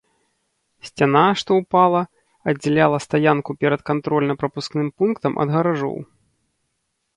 Сцяна, што ўпала, аддзяляла стаянку перад кантрольна-прапускным пунктам ад гаражоў.